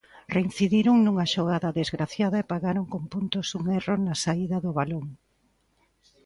Reincidiron nunha xogada desgraciada e pagaron con puntos un erro na saída do balón.